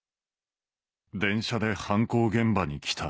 電車で犯行現場に来た。